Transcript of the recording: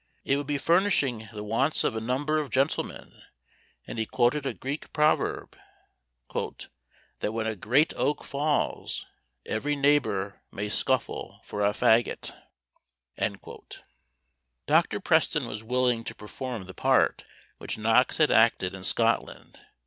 It would be furnishing the wants of a number of gentlemen; and he quoted a Greek proverb, "that when a great oak falls, every neighbour may scuffle for a faggot." Dr. Preston was willing to perform the part which Knox had acted in Scotland!